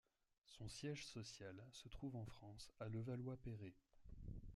Son siège social se trouve en France à Levallois-Perret.